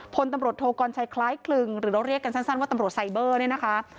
พลตำรวจโทกรชัยคล้ายคลึงหรือเราเรียกกันสั้นว่าตำรวจไซเบอร์เนี่ยนะคะ